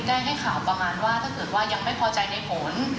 ให้ข่าวประมาณว่าถ้าเกิดว่ายังไม่พอใจในผล